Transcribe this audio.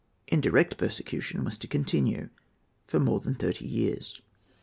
Indirect persecution was to continue for more than thirty years.